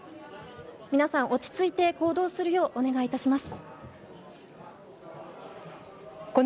皆さん、落ち着いて行動するようお願い致します。